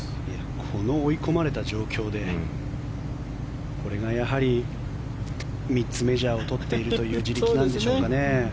この追い込まれた状況でこれがやはり、３つメジャーを取っているという地力なんでしょうかね。